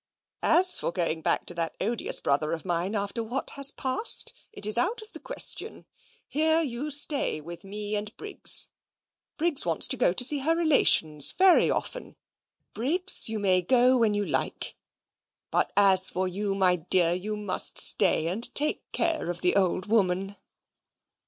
As for going back to that odious brother of mine after what has passed, it is out of the question. Here you stay with me and Briggs. Briggs wants to go to see her relations very often. Briggs, you may go when you like. But as for you, my dear, you must stay and take care of the old woman."